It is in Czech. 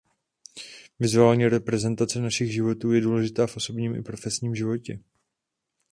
Vizuální reprezentace našich životů je důležitá v osobním i profesním životě.